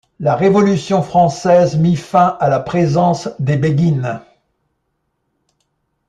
La Révolution française mit fin à la présence des béguines.